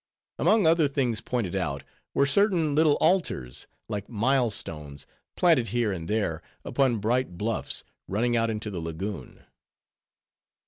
Among other things pointed out, were certain little altars, like mile stones, planted here and there upon bright bluffs, running out into the lagoon.